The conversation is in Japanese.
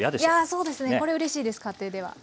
そうですねこれうれしいです家庭では。